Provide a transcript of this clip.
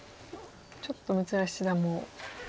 ちょっと六浦七段も。